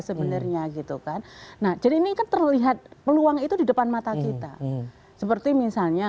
sebenarnya gitu kan nah jadi ini kan terlihat peluang itu di depan mata kita seperti misalnya